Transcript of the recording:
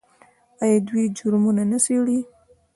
آیا دوی جرمونه نه څیړي؟